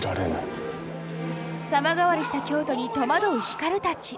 様変わりした京都に戸惑う光たち。